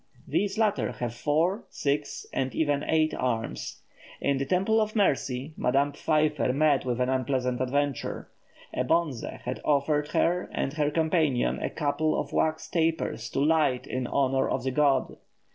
These latter have four, six, and even eight arms. In the Temple of Mercy, Madame Pfeiffer met with an unpleasant adventure. A Bonze had offered her and her companions a couple of wax tapers to light in honour of the god.